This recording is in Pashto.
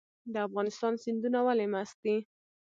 د افغانستان سیندونه ولې مست دي؟